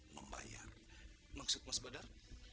membayar maksud mas badar